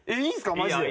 マジで。